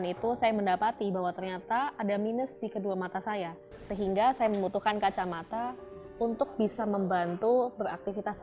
kisah selanjutnya masih tentang kebaikan lain yang bisa menjadi kekuatan dan inspirasi bagi kita